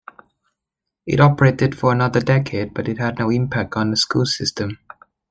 It operated for another decade but had no impact on the school system.